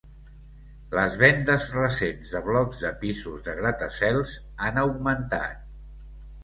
Les vendes recents de blocs de pisos de gratacels han augmentat.